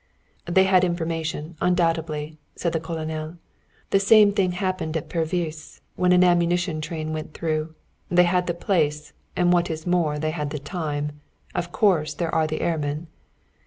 "They had information undoubtedly," said the colonel. "The same thing happened at Pervyse when an ammunition train went through. They had the place, and what is more they had the time. Of course there are the airmen."